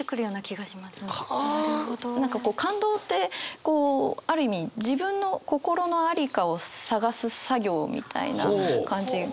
何か感動ってこうある意味自分の心の在りかを探す作業みたいな感じが。